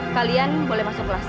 kalian boleh masuk kelas